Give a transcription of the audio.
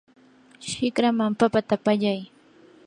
shikraman papata pallay.